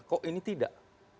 kok ini tidak